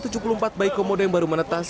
tujuh puluh empat bayi komodo yang baru menetas